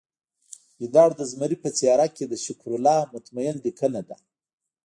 ګیدړ د زمري په څیره کې د شکرالله مطمین لیکنه ده